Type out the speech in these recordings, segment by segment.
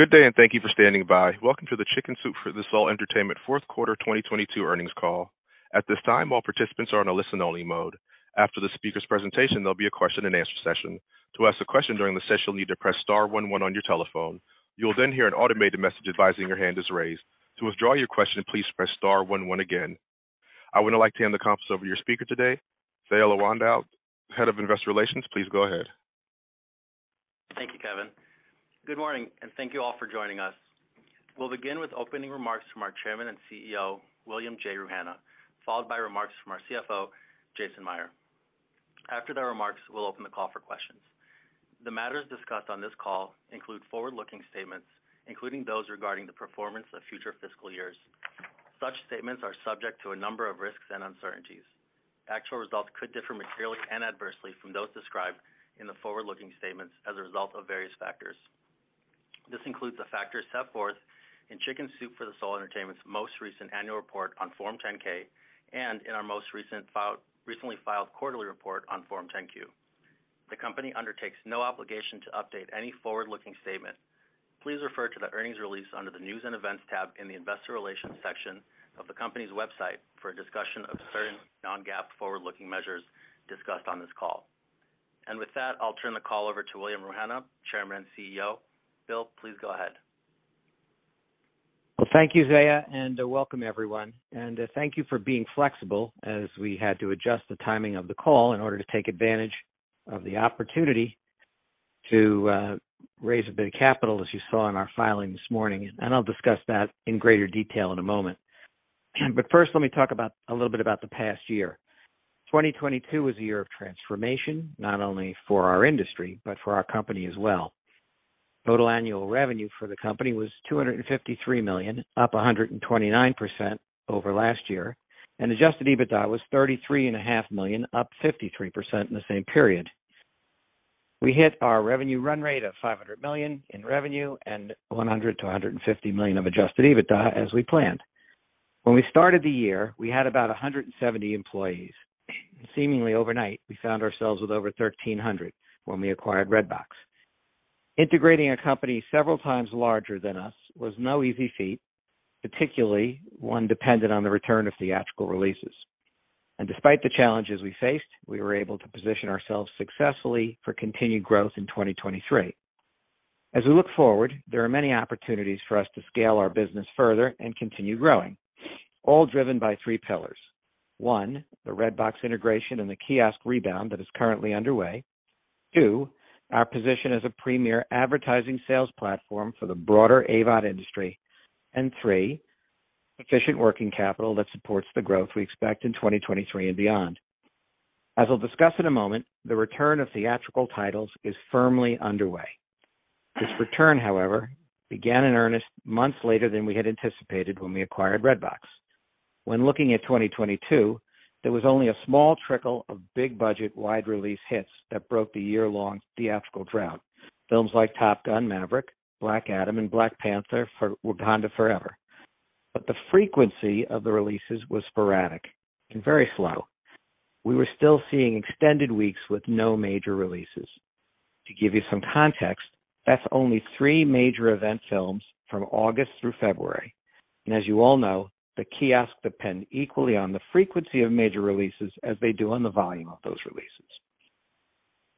Good day, and thank you for standing by. Welcome to the Chicken Soup for the Soul Entertainment fourth quarter 2022 earnings call. At this time, all participants are on a listen-only mode. After the speaker's presentation, there'll be a question-and-answer session. To ask a question during the session, you'll need to press star one one on your telephone. You'll then hear an automated message advising your hand is raised. To withdraw your question, please press star one one again. I would now like to hand the conference over to your speaker today, Zaia Lawandow, Head of Investor Relations. Please go ahead. Thank you, Kevin. Good morning, and thank you all for joining us. We'll begin with opening remarks from our Chairman and Chief Executive Officer, William J. Rouhana, followed by remarks from our CFO, Jason Meier. After their remarks, we'll open the call for questions. The matters discussed on this call include forward-looking statements, including those regarding the performance of future fiscal years. Such statements are subject to a number of risks and uncertainties. Actual results could differ materially and adversely from those described in the forward-looking statements as a result of various factors. This includes the factors set forth in Chicken Soup for the Soul Entertainment's most recent annual report on Form 10-K and in our most recent recently filed quarterly report on Form 10-Q. The company undertakes no obligation to update any forward-looking statement. Please refer to the earnings release under the News and Events tab in the investor relations section of the company's website for a discussion of certain non-GAAP forward-looking measures discussed on this call. With that, I'll turn the call over to William Rouhana, Chairman and CEO. Will, please go ahead. Well, thank you, Zaia, welcome everyone. Thank you for being flexible as we had to adjust the timing of the call in order to take advantage of the opportunity to raise a bit of capital, as you saw in our filing this morning, and I'll discuss that in greater detail in a moment. First, let me talk a little bit about the past year. 2022 was a year of transformation, not only for our industry but for our company as well. Total annual revenue for the company was $253 million, up 129% over last year, and Adjusted EBITDA was $33.5 million, up 53% in the same period. We hit our revenue run rate of $500 million in revenue and $100 million-$150 million of adjusted EBITDA as we planned. When we started the year, we had about 170 employees. Seemingly overnight, we found ourselves with over 1,300 when we acquired Redbox. Integrating a company several times larger than us was no easy feat, particularly one dependent on the return of theatrical releases. Despite the challenges we faced, we were able to position ourselves successfully for continued growth in 2023. As we look forward, there are many opportunities for us to scale our business further and continue growing, all driven by three pillars. One, the Redbox integration and the kiosk rebound that is currently underway. Two, our position as a premier advertising sales platform for the broader AVOD industry. Three, sufficient working capital that supports the growth we expect in 2023 and beyond. As I'll discuss in a moment, the return of theatrical titles is firmly underway. This return, however, began in earnest months later than we had anticipated when we acquired Redbox. When looking at 2022, there was only a small trickle of big budget wide release hits that broke the year-long theatrical drought. Films like Top Gun: Maverick, Black Adam, and Black Panther: Wakanda Forever. The frequency of the releases was sporadic and very slow. We were still seeing extended weeks with no major releases. To give you some context, that's only three major event films from August through February. As you all know, the kiosks depend equally on the frequency of major releases as they do on the volume of those releases.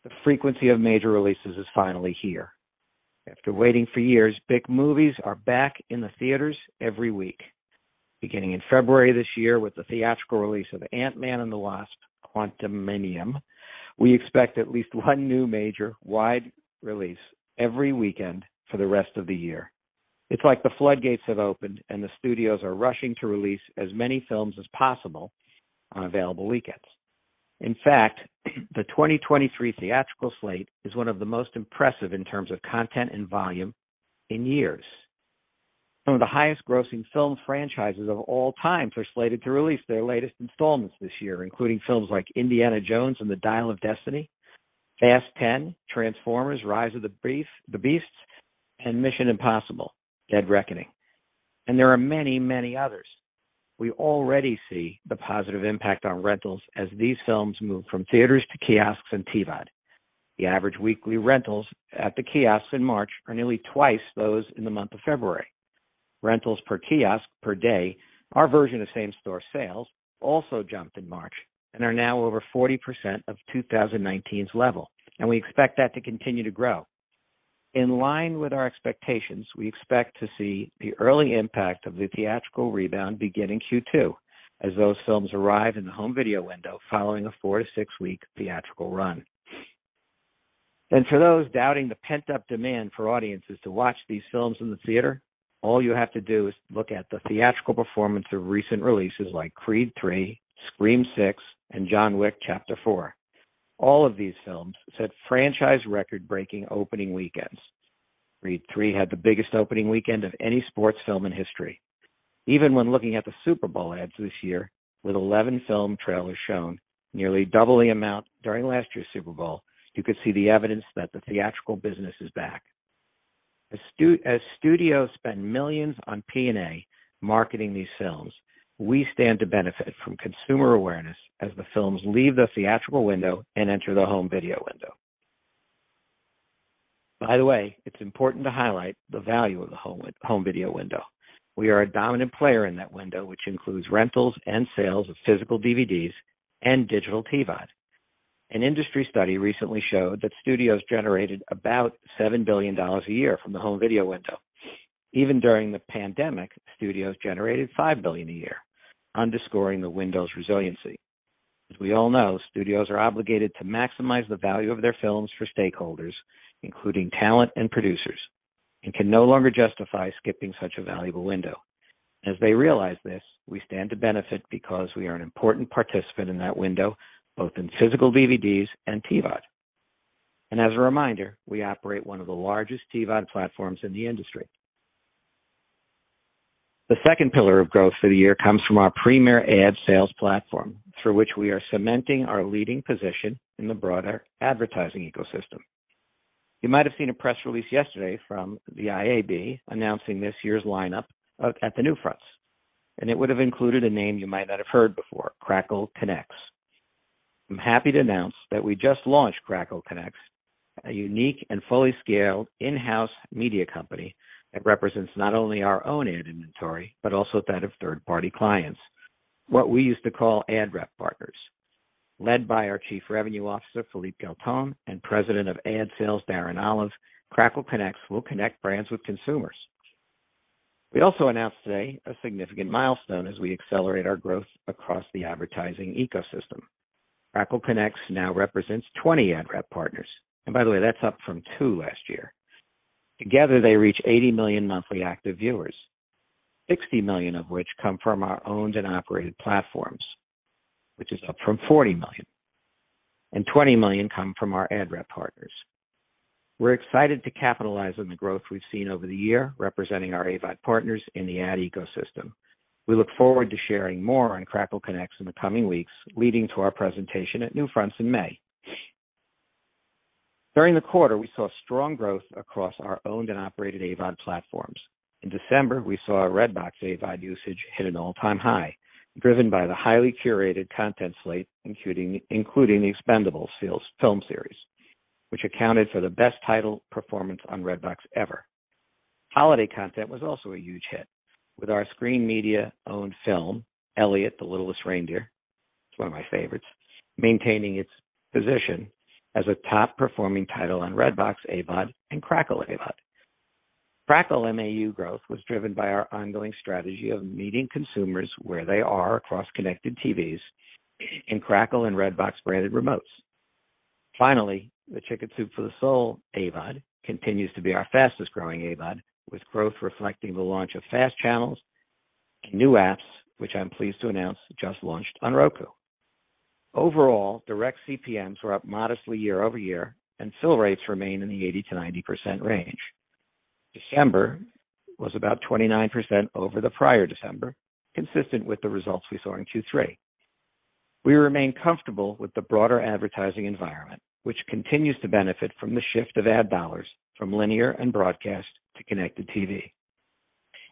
The frequency of major releases is finally here. After waiting for years, big movies are back in the theaters every week. Beginning in February this year with the theatrical release of Ant-Man and the Wasp: Quantumania, we expect at least one new major wide release every weekend for the rest of the year. It's like the floodgates have opened, and the studios are rushing to release as many films as possible on available weekends. In fact, the 2023 theatrical slate is one of the most impressive in terms of content and volume in years. Some of the highest grossing film franchises of all time are slated to release their latest installments this year, including films like Indiana Jones and the Dial of Destiny, Fast X, Transformers: Rise of the Beasts, and Mission Impossible: Dead Reckoning. There are many others. We already see the positive impact on rentals as these films move from theaters to kiosks and TVOD. The average weekly rentals at the kiosks in March are nearly twice those in the month of February. Rentals per kiosk per day, our version of same store sales, also jumped in March and are now over 40% of 2019's level. We expect that to continue to grow. In line with our expectations, we expect to see the early impact of the theatrical rebound begin in Q2 as those films arrive in the home video window following a 4-6-week theatrical run. For those doubting the pent-up demand for audiences to watch these films in the theater, all you have to do is look at the theatrical performance of recent releases like Creed III, Scream VI, and John Wick: Chapter 4. All of these films set franchise record-breaking opening weekends. Creed III had the biggest opening weekend of any sports film in history. Even when looking at the Super Bowl ads this year, with 11 film trailers shown, nearly double the amount during last year's Super Bowl, you could see the evidence that the theatrical business is back. As studios spend millions on P&A marketing these films, we stand to benefit from consumer awareness as the films leave the theatrical window and enter the home video window. By the way, it's important to highlight the value of the home video window. We are a dominant player in that window, which includes rentals and sales of physical DVDs and digital TVOD. An industry study recently showed that studios generated about $7 billion a year from the home video window. Even during the pandemic, studios generated $5 billion a year, underscoring the window's resiliency. As we all know, studios are obligated to maximize the value of their films for stakeholders, including talent and producers, and can no longer justify skipping such a valuable window. As they realize this, we stand to benefit because we are an important participant in that window, both in physical DVDs and TVOD. As a reminder, we operate one of the largest TVOD platforms in the industry. The second pillar of growth for the year comes from our premier ad sales platform, through which we are cementing our leading position in the broader advertising ecosystem. You might have seen a press release yesterday from the IAB announcing this year's lineup at the NewFronts, and it would have included a name you might not have heard before, Crackle Connex. I'm happy to announce that we just launched Crackle Connex, a unique and fully scaled in-house media company that represents not only our own ad inventory, but also that of third-party clients. What we used to call Ad Rep Partners. Led by our Chief Revenue Officer, Philippe Guelton, and President of Ad Sales, Darren Olive, Crackle Connex will connect brands with consumers. We also announced today a significant milestone as we accelerate our growth across the advertising ecosystem. Crackle Connex now represents 20 Ad Rep Partners. By the way, that's up from two last year. Together, they reach 80 million monthly active viewers, 60 million of which come from our owned and operated platforms, which is up from 40 million. 20 million come from our Ad Rep Partners. We're excited to capitalize on the growth we've seen over the year representing our AVOD partners in the ad ecosystem. We look forward to sharing more on Crackle Connex in the coming weeks, leading to our presentation at NewFronts in May. During the quarter, we saw strong growth across our owned and operated AVOD platforms. In December, we saw a Redbox AVOD usage hit an all-time high, driven by the highly curated content slate, including The Expendables film series, which accounted for the best title performance on Redbox ever. Holiday content was also a huge hit, with our Screen Media-owned film, Elliot: The Littlest Reindeer, it's one of my favorites, maintaining its position as a top-performing title on Redbox AVOD and Crackle AVOD. Crackle MAU growth was driven by our ongoing strategy of meeting consumers where they are across connected TVs in Crackle and Redbox branded remotes. Finally, the Chicken Soup for the Soul AVOD continues to be our fastest-growing AVOD, with growth reflecting the launch of FAST channels and new apps, which I'm pleased to announce just launched on Roku. Overall, direct CPMs were up modestly year-over-year, and fill rates remain in the 80%-90% range. December was about 29% over the prior December, consistent with the results we saw in Q3.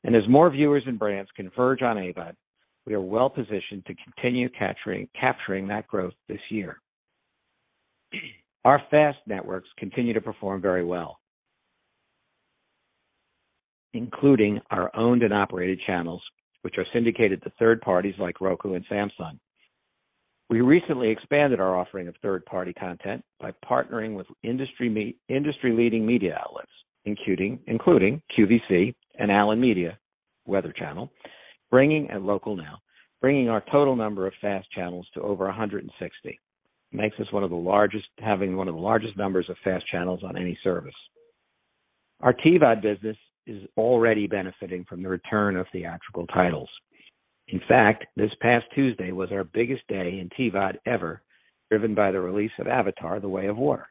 As more viewers and brands converge on AVOD, we are well-positioned to continue capturing that growth this year. Our FAST networks continue to perform very well, including our owned and operated channels, which are syndicated to third parties like Roku and Samsung. We recently expanded our offering of third-party content by partnering with industry-leading media outlets, including QVC and Allen Media Weather Channel, bringing a Local Now, bringing our total number of FAST channels to over 160. having one of the largest numbers of FAST channels on any service. Our TVOD business is already benefiting from the return of theatrical titles. In fact, this past Tuesday was our biggest day in TVOD ever, driven by the release of Avatar: The Way of Water.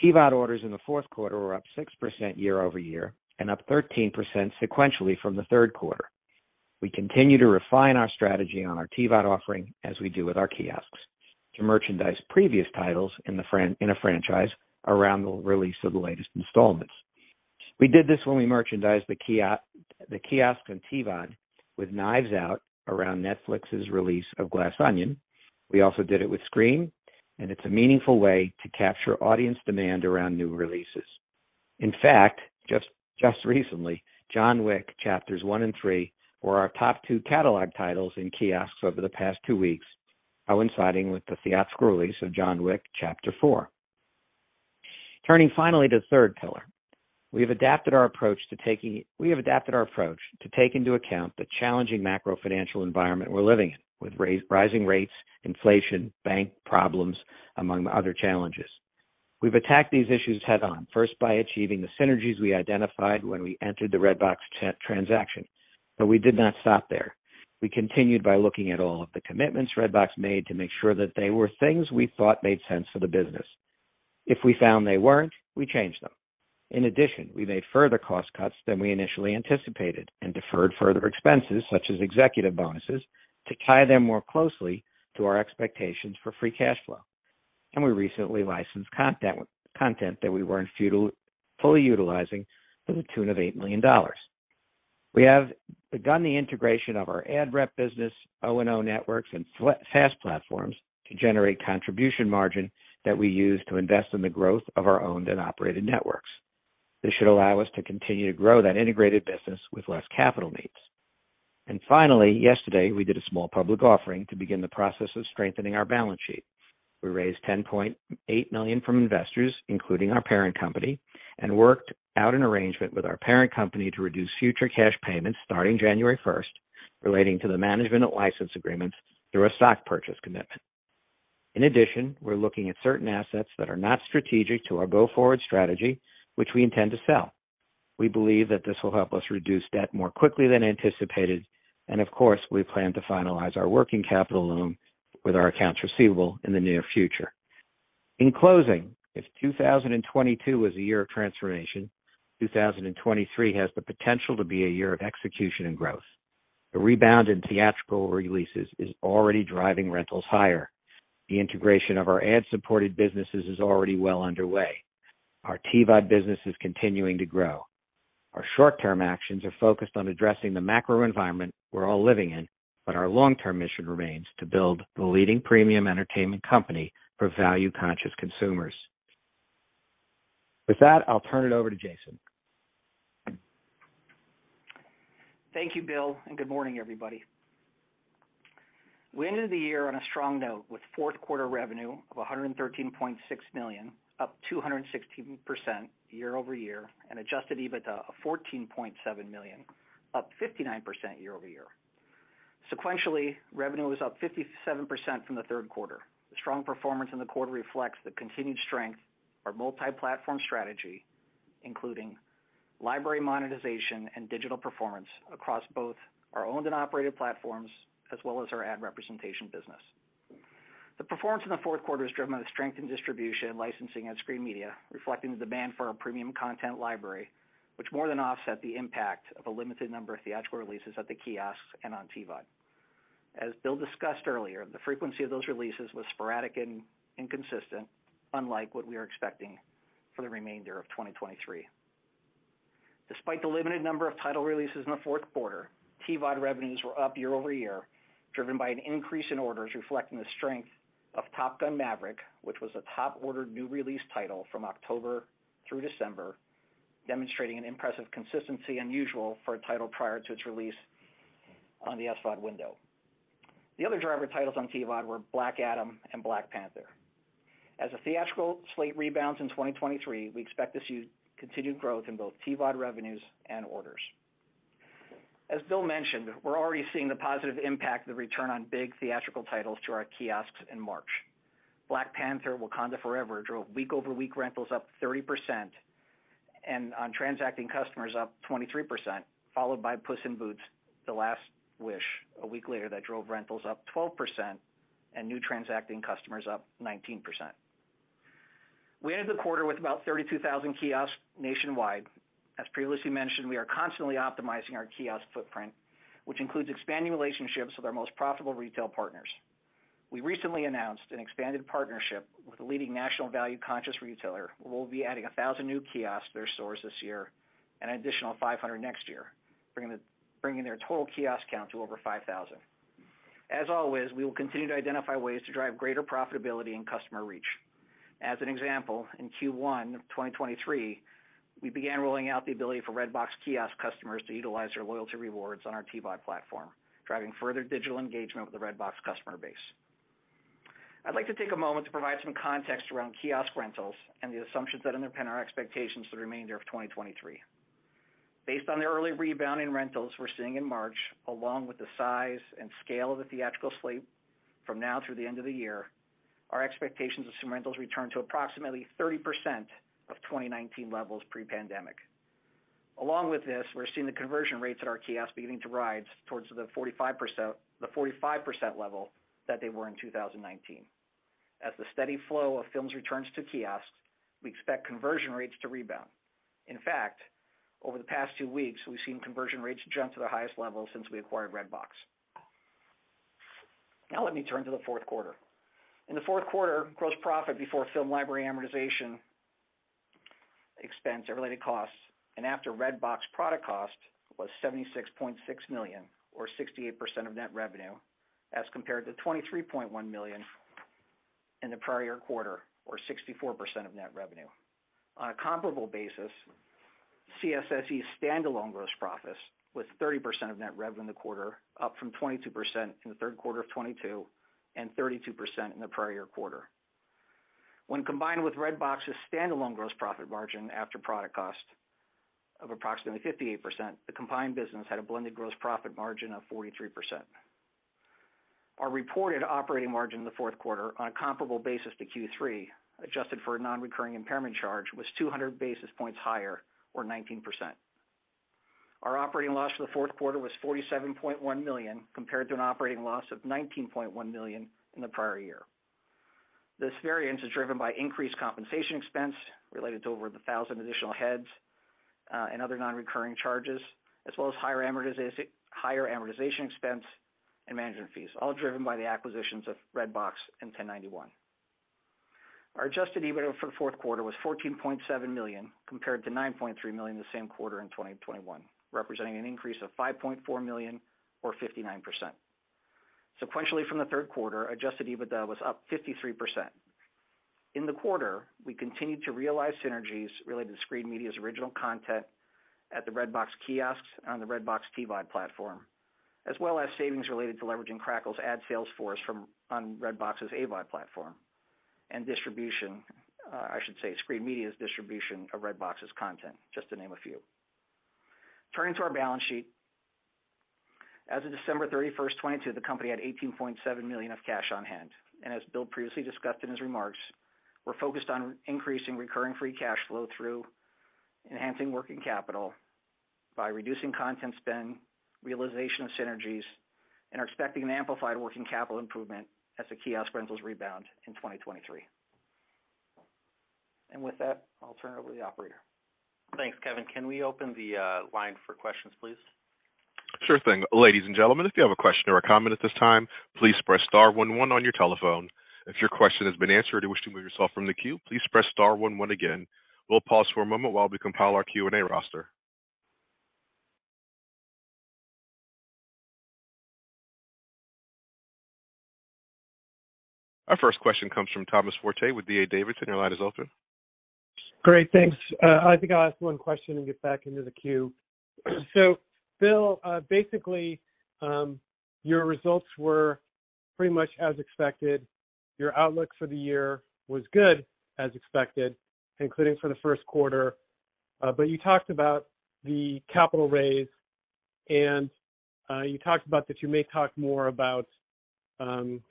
TVOD orders in the fourth quarter were up 6% year-over-year and up 13% sequentially from the third quarter. We continue to refine our strategy on our TVOD offering as we do with our kiosks to merchandise previous titles in a franchise around the release of the latest installments. We did this when we merchandised the kiosk, the kiosk on TVOD with Knives Out around Netflix's release of Glass Onion. We also did it with Scream, and it's a meaningful way to capture audience demand around new releases. In fact, just recently, John Wick chapters one and three were our top two catalog titles in kiosks over the past two weeks, coinciding with the theatrical release of John Wick: Chapter 4. Turning finally to the third pillar. We have adapted our approach to take into account the challenging macro financial environment we're living in, with rising rates, inflation, bank problems, among other challenges. We've attacked these issues head on, first by achieving the synergies we identified when we entered the Redbox transaction, but we did not stop there. We continued by looking at all of the commitments Redbox made to make sure that they were things we thought made sense for the business. If we found they weren't, we changed them. We made further cost cuts than we initially anticipated and deferred further expenses such as executive bonuses, to tie them more closely to our expectations for free cash flow. We recently licensed content that we weren't fully utilizing to the tune of $8 million. We have begun the integration of our ad rep business, O&O networks, and SaaS platforms to generate contribution margin that we use to invest in the growth of our owned and operated networks. This should allow us to continue to grow that integrated business with less capital needs. Finally, yesterday, we did a small public offering to begin the process of strengthening our balance sheet. We raised $10.8 million from investors, including our parent company, and worked out an arrangement with our parent company to reduce future cash payments starting January 1st, relating to the management of license agreements through a stock purchase commitment. We're looking at certain assets that are not strategic to our go-forward strategy, which we intend to sell. We believe that this will help us reduce debt more quickly than anticipated, of course, we plan to finalize our working capital loan with our accounts receivable in the near future. In closing, if 2022 was a year of transformation, 2023 has the potential to be a year of execution and growth. The rebound in theatrical releases is already driving rentals higher. The integration of our ad-supported businesses is already well underway. Our TVOD business is continuing to grow. Our short-term actions are focused on addressing the macro environment we're all living in, but our long-term mission remains to build the leading premium entertainment company for value-conscious consumers. With that, I'll turn it over to Jason. Thank you, Will. Good morning, everybody. We ended the year on a strong note with fourth quarter revenue of $113.6 million, up 216% year-over-year, and adjusted EBITDA of $14.7 million, up 59% year-over-year. Sequentially, revenue was up 57% from the third quarter. The strong performance in the quarter reflects the continued strength of our multi-platform strategy, including library monetization and digital performance across both our owned and operated platforms as well as our ad representation business. The performance in the fourth quarter is driven by the strength in distribution, licensing, and Screen Media, reflecting the demand for our premium content library, which more than offset the impact of a limited number of theatrical releases at the kiosks and on TVOD. As Will discussed earlier, the frequency of those releases was sporadic and inconsistent, unlike what we are expecting for the remainder of 2023. Despite the limited number of title releases in the fourth quarter, TVOD revenues were up year-over-year, driven by an increase in orders reflecting the strength of Top Gun: Maverick, which was the top ordered new release title from October through December, demonstrating an impressive consistency unusual for a title prior to its release on the SVOD window. The other driver titles on TVOD were Black Adam and Black Panther. As the theatrical slate rebounds in 2023, we expect to see continued growth in both TVOD revenues and orders. As Will mentioned, we're already seeing the positive impact of the return on big theatrical titles to our kiosks in March. Black Panther: Wakanda Forever drove week-over-week rentals up 30% and on transacting customers up 23%, followed by Puss in Boots: The Last Wish a week later that drove rentals up 12% and new transacting customers up 19%. We ended the quarter with about 32,000 kiosks nationwide. As previously mentioned, we are constantly optimizing our kiosk footprint, which includes expanding relationships with our most profitable retail partners. We recently announced an expanded partnership with a leading national value-conscious retailer, where we'll be adding 1,000 new kiosks to their stores this year and an additional 500 next year, bringing their total kiosk count to over 5,000. As always, we will continue to identify ways to drive greater profitability and customer reach. As an example, in Q1 of 2023, we began rolling out the ability for Redbox kiosk customers to utilize their loyalty rewards on our TVOD platform, driving further digital engagement with the Redbox customer base. I'd like to take a moment to provide some context around kiosk rentals and the assumptions that underpin our expectations for the remainder of 2023. Based on the early rebound in rentals we're seeing in March, along with the size and scale of the theatrical slate from now through the end of the year, our expectations assume rentals return to approximately 30% of 2019 levels pre-pandemic. Along with this, we're seeing the conversion rates at our kiosks beginning to rise towards the 45% level that they were in 2019. As the steady flow of films returns to kiosks, we expect conversion rates to rebound. In fact, over the past two weeks, we've seen conversion rates jump to their highest level since we acquired Redbox. Let me turn to the fourth quarter. In the fourth quarter, gross profit before film library amortization expense and related costs and after Redbox product cost was $76.6 million or 68% of net revenue as compared to $23.1 million in the prior-year quarter or 64% of net revenue. On a comparable basis, CSSE standalone gross profits with 30% of net revenue in the quarter, up from 22% in the third quarter of 2022 and 32% in the prior-year quarter. When combined with Redbox's standalone gross profit margin after product cost of approximately 58%, the combined business had a blended gross profit margin of 43%. Our reported operating margin in the fourth quarter on a comparable basis to Q3, adjusted for a non-recurring impairment charge, was 200 basis points higher or 19%. Our operating loss for the fourth quarter was $47.1 million, compared to an operating loss of $19.1 million in the prior-year. This variance is driven by increased compensation expense related to over the 1,000 additional heads, and other non-recurring charges, as well as higher amortization expense and management fees, all driven by the acquisitions of Redbox and 1091 Pictures. Our adjusted EBITDA for the fourth quarter was $14.7 million compared to $9.3 million the same quarter in 2021, representing an increase of $5.4 million or 59%. Sequentially, from the third quarter, adjusted EBITDA was up 53%. In the quarter, we continued to realize synergies related to Screen Media's original content at the Redbox kiosks on the Redbox TV platform, as well as savings related to leveraging Crackle's ad sales force on Redbox's AVOD platform and distribution. I should say Screen Media's distribution of Redbox's content, just to name a few. Turning to our balance sheet. As of December 31st, 2022, the company had $18.7 million of cash on hand. As Will previously discussed in his remarks, we're focused on increasing recurring free cash flow through enhancing working capital by reducing content spend, realization of synergies, and are expecting an amplified working capital improvement as the kiosk rentals rebound in 2023. With that, I'll turn it over to the operator. Thanks, Kevin. Can we open the line for questions, please? Sure thing. Ladies and gentlemen, if you have a question or a comment at this time, please press star one one on your telephone. If your question has been answered or you wish to move yourself from the queue, please press star one one again. We'll pause for a moment while we compile our Q&A roster. Our first question comes from Thomas Forte with D.A. Davidson. Your line is open. Great, thanks. I think I'll ask one question and get back into the queue. Will, basically, your results were pretty much as expected. Your outlook for the year was good as expected, including for the first quarter. You talked about the capital raise and you talked about that you may talk more about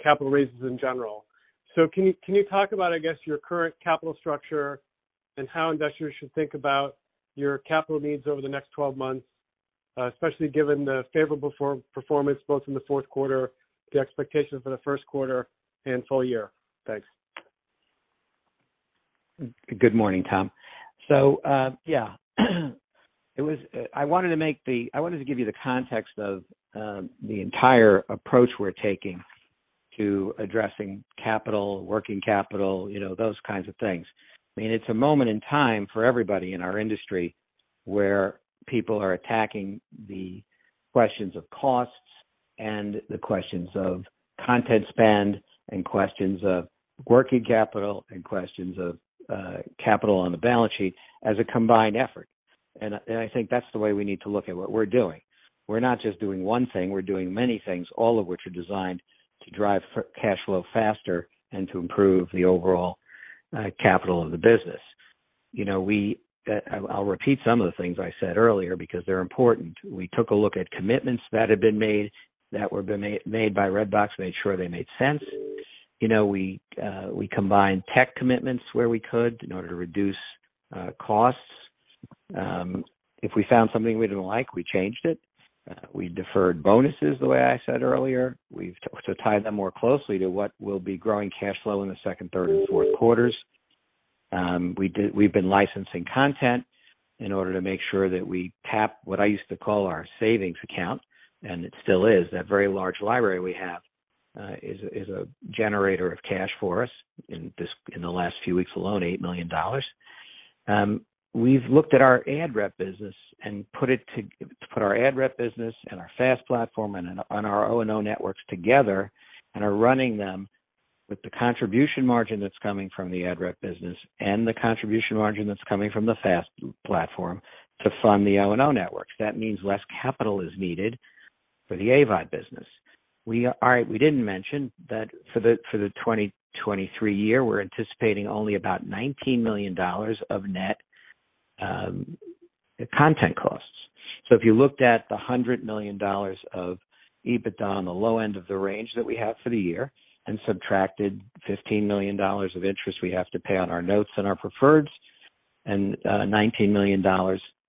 capital raises in general. Can you talk about, I guess, your current capital structure and how investors should think about your capital needs over the next 12 months, especially given the favorable performance both in the fourth quarter, the expectations for the first quarter and full-year. Thanks. Good morning, Tom. I wanted to give you the context of the entire approach we're taking to addressing capital, working capital, you know, those kinds of things. I mean, it's a moment in time for everybody in our industry where people are attacking the questions of costs and the questions of content spend and questions of working capital and questions of capital on the balance sheet as a combined effort. I think that's the way we need to look at what we're doing. We're not just doing one thing, we're doing many things, all of which are designed to drive cash flow faster and to improve the overall capital of the business. You know, I'll repeat some of the things I said earlier because they're important. We took a look at commitments that had been made, that were made by Redbox, made sure they made sense. You know, we combined tech commitments where we could in order to reduce costs. If we found something we didn't like, we changed it. We deferred bonuses, the way I said earlier. We've to tie them more closely to what will be growing cash flow in the second, third and fourth quarters. We've been licensing content in order to make sure that we tap what I used to call our savings account. It still is. That very large library we have is a generator of cash for us in the last few weeks alone, $8 million. We've looked at our ad rep business and put our ad rep business and our FAST platform and on our O&O networks together and are running them with the contribution margin that's coming from the ad rep business and the contribution margin that's coming from the FAST platform to fund the O&O networks. That means less capital is needed for the AVOD business. We didn't mention that for the 2023 year, we're anticipating only about $19 million of net content costs. If you looked at the $100 million of EBITDA on the low end of the range that we have for the year and subtracted $15 million of interest we have to pay on our notes and our preferreds and $19 million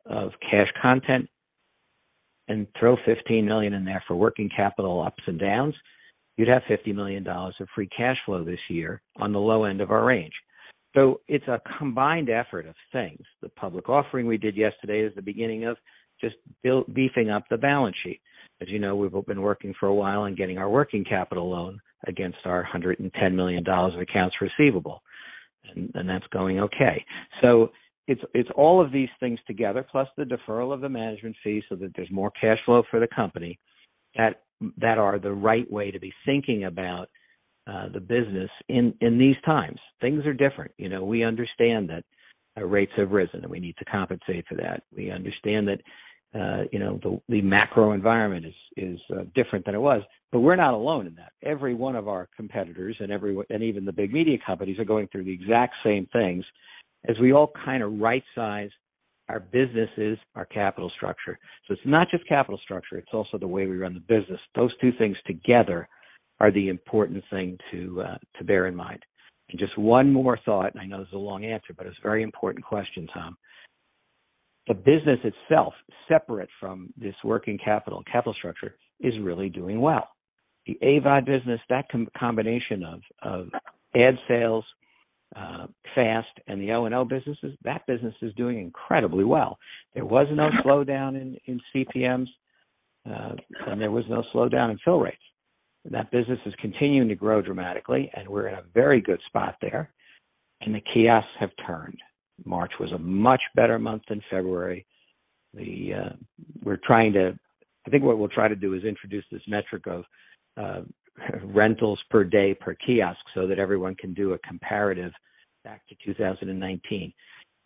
of cash content and throw $15 million in there for working capital ups and downs, you'd have $50 million of free cash flow this year on the low end of our range. It's a combined effort of things. The public offering we did yesterday is the beginning of just beefing up the balance sheet. As you know, we've been working for a while and getting our working capital loan against our $110 million of accounts receivable. That's going okay. It's all of these things together, plus the deferral of the management fee so that there's more cash flow for the company that are the right way to be thinking about the business in these times. Things are different. You know, we understand that our rates have risen and we need to compensate for that. We understand that, you know, the macro environment is different than it was, but we're not alone in that. Every one of our competitors and even the big media companies are going through the exact same things as we all kind of right size our businesses, our capital structure. It's not just capital structure, it's also the way we run the business. Those two things together are the important thing to bear in mind. Just one more thought, and I know this is a long answer, but it's a very important question, Tom. The business itself, separate from this working capital structure is really doing well. The AVOD business, that combination of ad sales, FAST and the O&O businesses, that business is doing incredibly well. There was no slowdown in CPMs. There was no slowdown in fill rate. That business is continuing to grow dramatically, and we're in a very good spot there. The kiosks have turned. March was a much better month than February. I think what we'll try to do is introduce this metric of rentals per day per kiosk so that everyone can do a comparative back to 2019.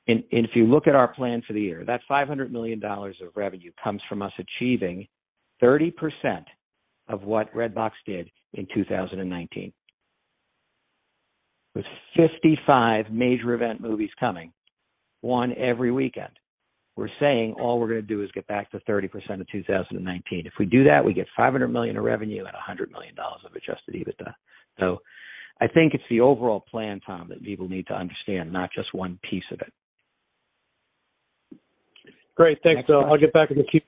If you look at our plan for the year, that $500 million of revenue comes from us achieving 30% of what Redbox did in 2019. With 55 major event movies coming, one every weekend. We're saying all we're gonna do is get back to 30% of 2019. If we do that, we get $500 million of revenue at $100 million of adjusted EBITDA. I think it's the overall plan, Tom, that people need to understand, not just one piece of it. Great. Thanks. I'll get back in the queue.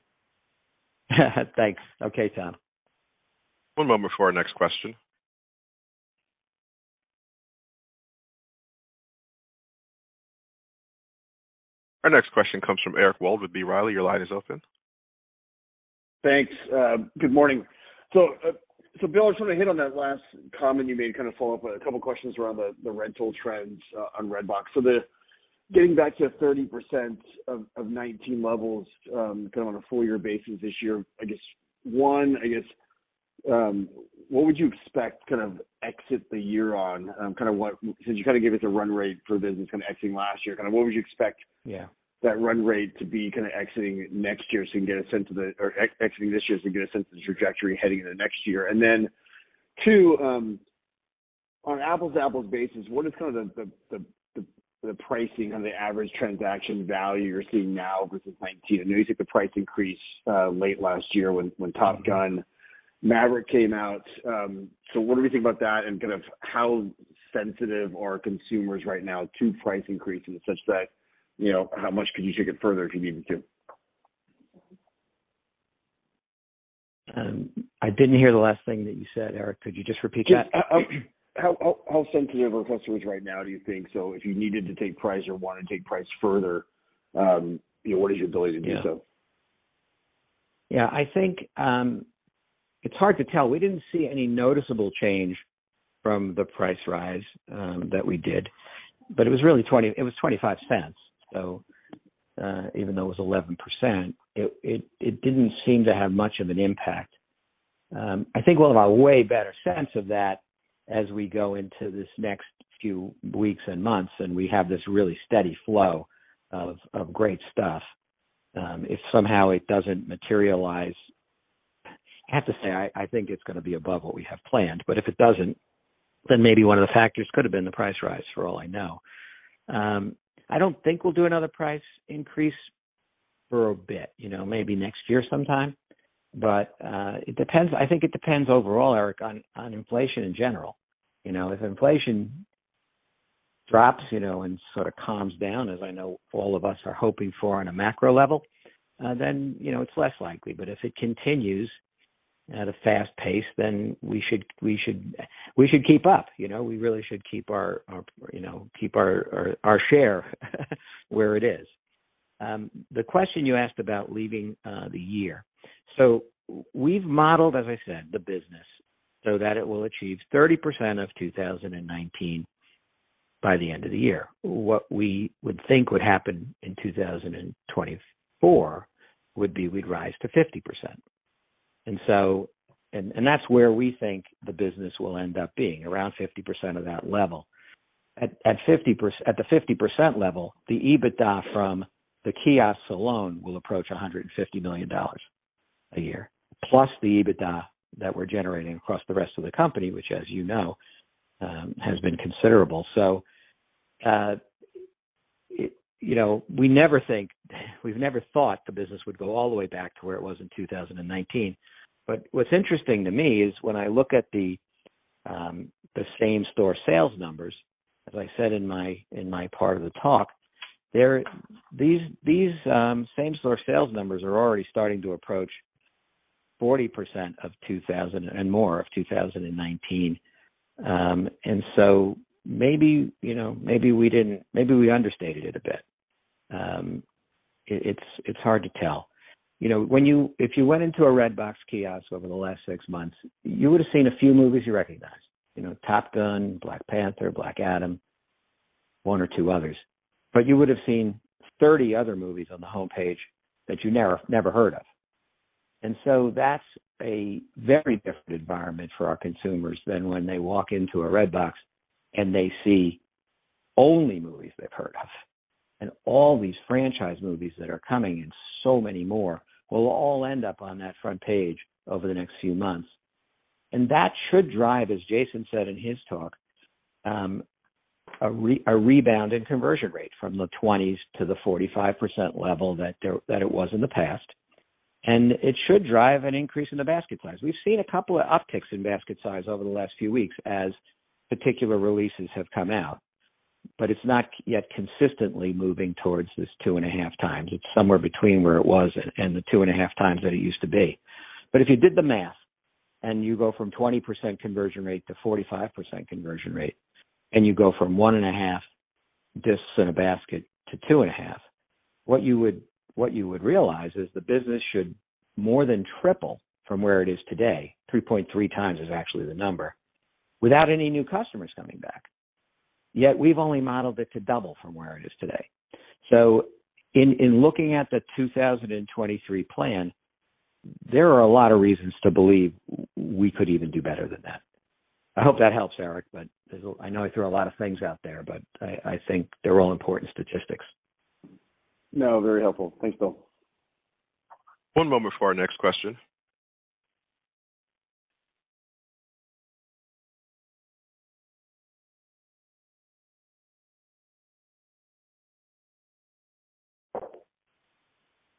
Thanks. Okay, Tom. One moment before our next question. Our next question comes from Eric Wold with B. Riley. Your line is open. Thanks. Good morning. Will, I just wanna hit on that last comment you made, kind of follow up with a couple of questions around the rental trends on Redbox. Getting back to 30% of 2019 levels, kind of on a full-year basis this year, what would you expect kind of exit the year on? Since you kind of give us a run rate for the business kind of exiting last year, kind of what would you expect? Yeah. that run rate to be kind of exiting next year, so you can get a sense of the exiting this year to get a sense of the trajectory heading into next year? Two, on apples-to-apples basis, what is kind of the pricing on the average transaction value you're seeing now versus 19? I know you took the price increase late last year when Top Gun: Maverick came out. What do we think about that, and kind of how sensitive are consumers right now to price increases such that, you know, how much could you take it further if you needed to? I didn't hear the last thing that you said, Eric. Could you just repeat that? Just how sensitive are customers right now, do you think? If you needed to take price or want to take price further, you know, what is your ability to do so? Yeah. I think, it's hard to tell. We didn't see any noticeable change from the price rise that we did, but it was really it was $0.25. Even though it was 11%, it didn't seem to have much of an impact. I think we'll have a way better sense of that as we go into this next few weeks and months, and we have this really steady flow of great stuff. If somehow it doesn't materialize, I have to say, I think it's gonna be above what we have planned, but if it doesn't, then maybe one of the factors could have been the price rise for all I know. I don't think we'll do another price increase for a bit, you know, maybe next year sometime. It depends. I think it depends overall, Eric, on inflation in general. You know, if inflation drops, you know, and sort of calms down as I know all of us are hoping for on a macro level, then, you know, it's less likely. If it continues at a fast pace, then we should keep up, you know. We really should keep our, you know, keep our share where it is. The question you asked about leaving the year. We've modeled, as I said, the business so that it will achieve 30% of 2019 by the end of the year. What we would think would happen in 2024 would be we'd rise to 50%. That's where we think the business will end up being, around 50% of that level. At the 50% level, the EBITDA from the kiosks alone will approach $150 million a year, plus the EBITDA that we're generating across the rest of the company, which as you know, has been considerable. You know, we've never thought the business would go all the way back to where it was in 2019. What's interesting to me is when I look at the same-store sales numbers, as I said in my, in my part of the talk, these same-store sales numbers are already starting to approach 40% of 2000 and more of 2019. Maybe, you know, maybe we understated it a bit. It's hard to tell. You know, if you went into a Redbox kiosk over the last six months, you would have seen a few movies you recognized. You know, Top Gun, Black Panther, Black Adam, one or two others. You would have seen 30 other movies on the homepage that you never heard of. That's a very different environment for our consumers than when they walk into a Redbox and they see only movies they've heard of. All these franchise movies that are coming and so many more will all end up on that front page over the next few months. That should drive, as Jason said in his talk, a rebound in conversion rate from the 20% to the 45% level that it was in the past. It should drive an increase in the basket size. We've seen a couple of upticks in basket size over the last few weeks as particular releases have come out, but it's not yet consistently moving towards this 2.5x. It's somewhere between where it was and the 2.5x that it used to be. If you did the math and you go from 20% conversion rate to 45% conversion rate, and you go from 1.5 Discs in a basket to 2.5. What you would realize is the business should more than triple from where it is today. 3.3x is actually the number, without any new customers coming back. Yet we've only modeled it to double from where it is today. In looking at the 2023 plan, there are a lot of reasons to believe we could even do better than that. I hope that helps, Eric, but there's a. I know I threw a lot of things out there, but I think they're all important statistics. No, very helpful. Thanks, Will. One moment for our next question.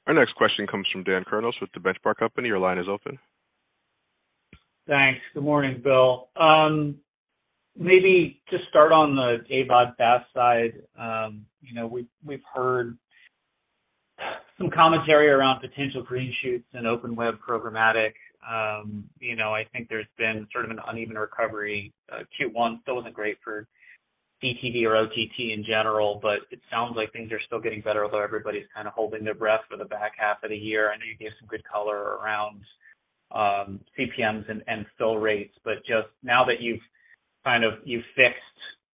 Our next question comes from Daniel Kurnos with The Benchmark Company. Your line is open. Thanks. Good morning, Will. Maybe just start on the AVOD FAST side. you know, we've heard some commentary around potential green shoots and open web programmatic. you know, I think there's been sort of an uneven recovery. Q1 still isn't great for DTV or OTT in general, but it sounds like things are still getting better, although everybody's kind of holding their breath for the back half of the year. I know you gave some good color around CPMs and fill rates, but just now that you've kind of fixed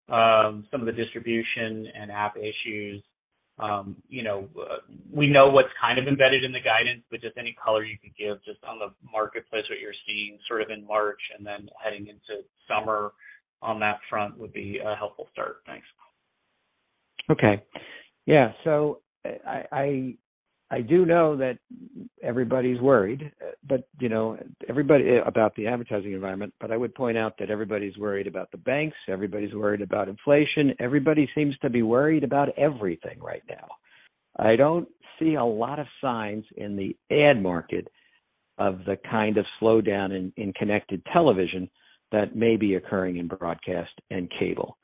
some of the distribution and app issues, you know, we know what's kind of embedded in the guidance, but just any color you could give just on the marketplace, what you're seeing sort of in March and then heading into summer on that front would be a helpful start. Thanks. Okay. Yeah. I do know that everybody's worried, but, you know, everybody about the advertising environment, but I would point out that everybody's worried about the banks, everybody's worried about inflation, everybody seems to be worried about everything right now. I don't see a lot of signs in the ad market of the kind of slowdown in connected television that may be occurring in broadcast and cable.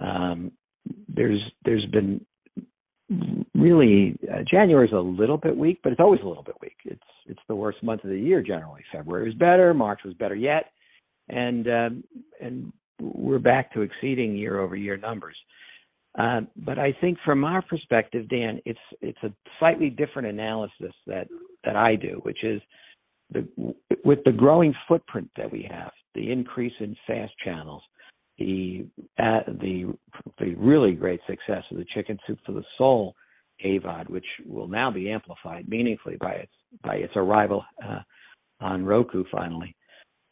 There's been really... January is a little bit weak, but it's always a little bit weak. It's the worst month of the year, generally. February was better, March was better yet, and we're back to exceeding year-over-year numbers. I think from our perspective, Dan, it's a slightly different analysis that I do, which is with the growing footprint that we have, the increase in FAST channels, the really great success of the Chicken Soup for the Soul AVOD, which will now be amplified meaningfully by its, by its arrival, on Roku, finally.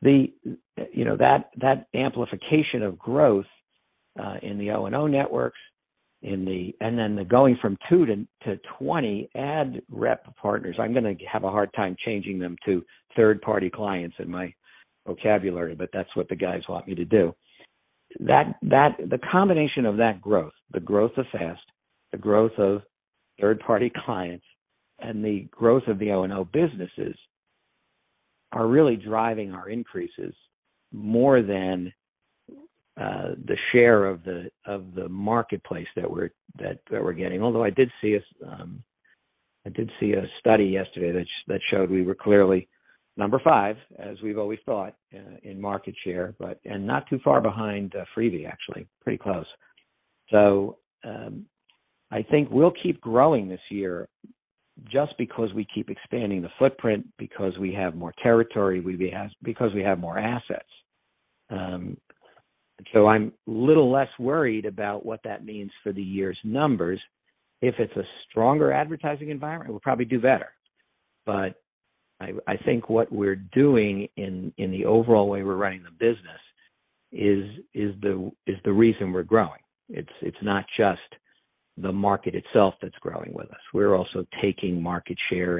The, you know, that amplification of growth, in the O&O networks. Then the going from 2-20 Ad Rep Partners, I'm gonna have a hard time changing them to third-party clients in my vocabulary, but that's what the guys want me to do. The combination of that growth, the growth of FAST, the growth of third-party clients, and the growth of the O&O businesses are really driving our increases more than the share of the marketplace that we're getting. Although I did see us, I did see a study yesterday that showed we were clearly number five as we've always thought in market share, not too far behind Freevee, actually, pretty close. I think we'll keep growing this year just because we keep expanding the footprint because we have more territory, because we have more assets. I'm little less worried about what that means for the year's numbers. If it's a stronger advertising environment, we'll probably do better. I think what we're doing in the overall way we're running the business is the reason we're growing. It's not just the market itself that's growing with us. We're also taking market share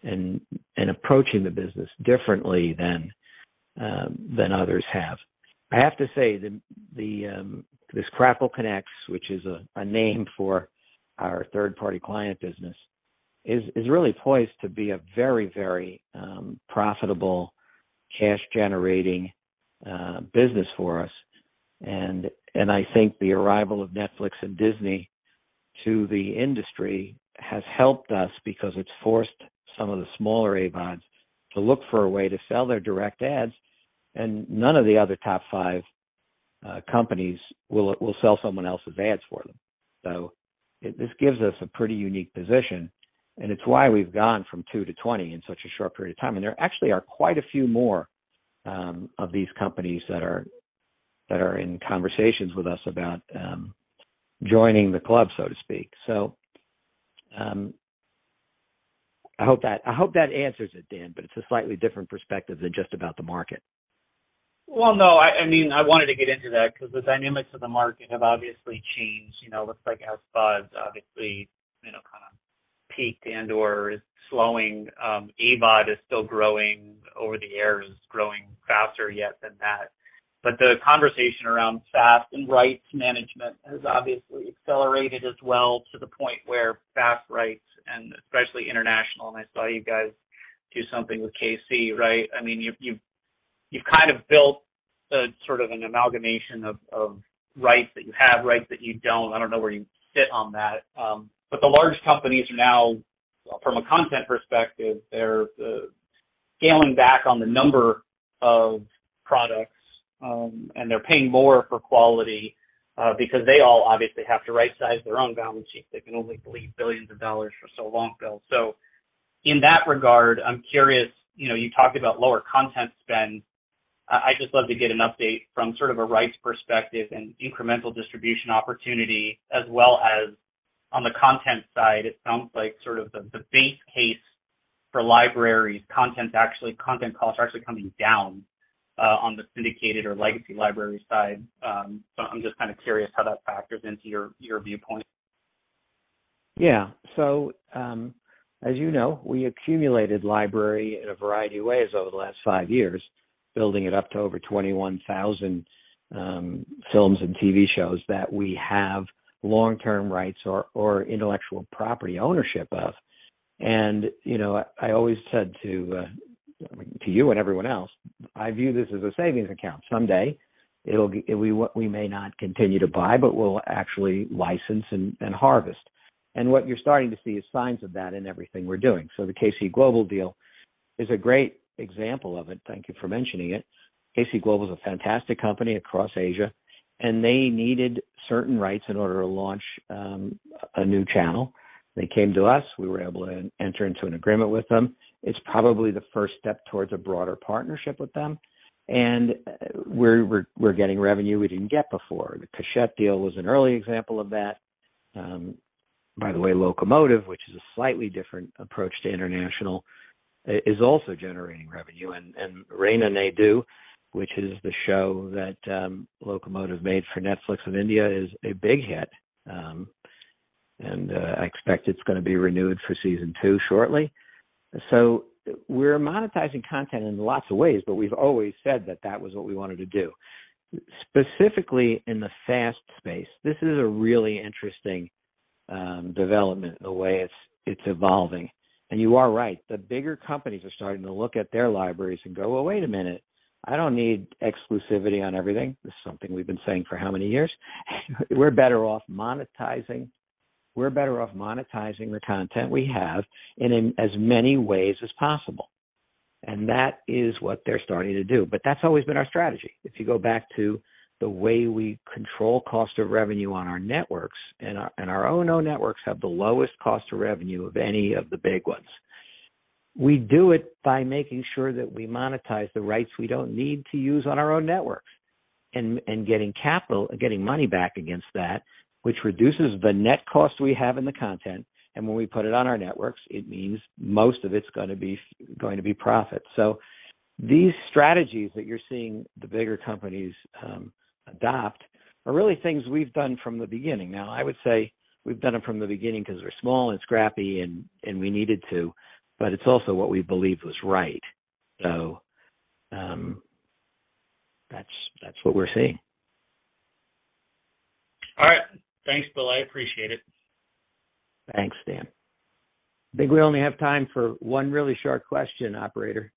and approaching the business differently than others have. I have to say this Crackle Connex, which is a name for our third-party client business is really poised to be a very profitable cash-generating business for us. I think the arrival of Netflix and Disney to the industry has helped us because it's forced some of the smaller AVODs to look for a way to sell their direct ads. None of the other top 5 companies will sell someone else's ads for them. This gives us a pretty unique position, and it's why we've gone from 2 to 20 in such a short period of time. There actually are quite a few more of these companies that are in conversations with us about joining the club, so to speak. I hope that answers it, Dan, but it's a slightly different perspective than just about the market. Well, no, I mean, I wanted to get into that because the dynamics of the market have obviously changed. You know, looks like SVOD's obviously, you know, kind of peaked and/or is slowing. AVOD is still growing. Over-the-air is growing faster yet than that. The conversation around FAST and rights management has obviously accelerated as well to the point where FAST rights and especially international, and I saw you guys do something with KC, right? I mean, you've kind of built a sort of an amalgamation of rights that you have, rights that you don't. I don't know where you sit on that. The large companies are now from a content perspective, scaling back on the number of products, and they're paying more for quality, because they all obviously have to right-size their own balance sheet. They can only bleed billions of dollars for so long, Will. In that regard, I'm curious, you know, you talked about lower content spend. I just love to get an update from sort of a rights perspective and incremental distribution opportunity as well as on the content side, it sounds like sort of the base case for libraries content costs are actually coming down on the syndicated or legacy library side. So I'm just kind of curious how that factors into your viewpoint. As you know, we accumulated library in a variety of ways over the last five years, building it up to over 21,000 films and TV shows that we have long-term rights or intellectual property ownership of. I always said to, I mean, to you and everyone else, I view this as a savings account. Someday it'll be, we may not continue to buy, but we'll actually license and harvest. What you're starting to see is signs of that in everything we're doing. The KC Global deal is a great example of it. Thank you for mentioning it. KC Global is a fantastic company across Asia, and they needed certain rights in order to launch a new channel. They came to us. We were able to enter into an agreement with them. It's probably the first step towards a broader partnership with them. We're getting revenue we didn't get before. The Keshet deal was an early example of that. By the way, Locomotive, which is a slightly different approach to international, is also generating revenue. Rana Naidu, which is the show that Locomotive made for Netflix in India, is a big hit. I expect it's gonna be renewed for season 2 shortly. We're monetizing content in lots of ways, but we've always said that that was what we wanted to do. Specifically in the FAST space, this is a really interesting development in the way it's evolving. You are right, the bigger companies are starting to look at their libraries and go, "Well, wait a minute, I don't need exclusivity on everything." This is something we've been saying for how many years? We're better off monetizing the content we have and in as many ways as possible. That is what they're starting to do. That's always been our strategy. If you go back to the way we control cost of revenue on our networks, and our own owned networks have the lowest cost of revenue of any of the big ones. We do it by making sure that we monetize the rights we don't need to use on our own networks and getting capital, getting money back against that, which reduces the net cost we have in the content. When we put it on our networks, it means most of it's going to be profit. These strategies that you're seeing the bigger companies adopt are really things we've done from the beginning. Now, I would say we've done them from the beginning 'cause we're small and scrappy and we needed to, but it's also what we believed was right. That's what we're seeing. All right. Thanks, Will. I appreciate it. Thanks, Dan. I think we only have time for one really short question, operator.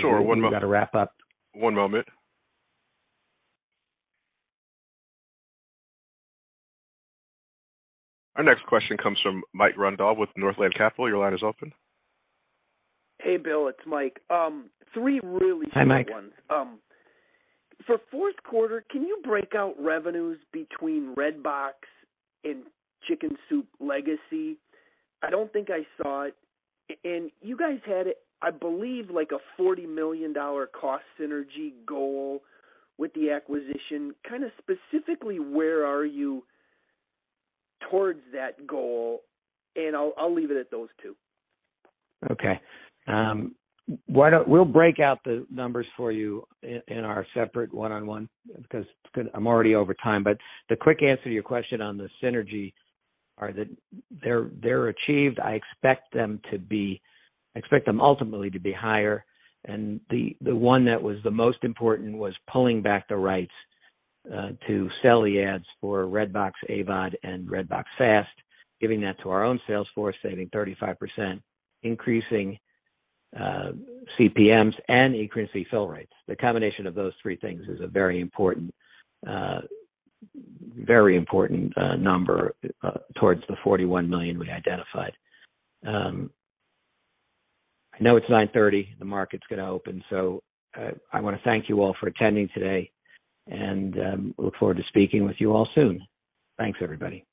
Sure. We've gotta wrap up. One moment. Our next question comes from Mike Grondahl with Northland Securities. Your line is open. Hey, Will, it's Mike. Three really short ones. Hi, Mike. For fourth quarter, can you break out revenues between Redbox and Chicken Soup Legacy? I don't think I saw it. You guys had, I believe, like, a $40 million cost synergy goal with the acquisition. Kinda specifically, where are you towards that goal? I'll leave it at those two. Okay. We'll break out the numbers for you in our separate one-on-one because I'm already over time, the quick answer to your question on the synergy are that they're achieved. I expect them ultimately to be higher. The one that was the most important was pulling back the rights to sell the ads for Redbox AVOD and Redbox FAST, giving that to our own sales force, saving 35%, increasing CPMs and accuracy fill rates. The combination of those three things is a very important number towards the $41 million we identified. I know it's 9:30 A.M., the market's gonna open, I wanna thank you all for attending today and look forward to speaking with you all soon. Thanks, everybody.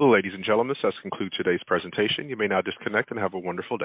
Ladies and gentlemen, this does conclude today's presentation. You may now disconnect and have a wonderful day.